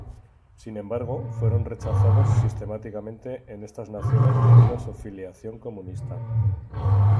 Sin embargo, fueron rechazados sistemáticamente en estas naciones debido a su filiación comunista.